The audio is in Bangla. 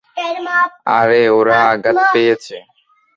আরে, ওরা আঘাত পেয়েছে।